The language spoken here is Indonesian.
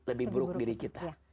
lebih buruk diri kita